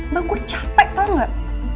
mbak gue capek tau gak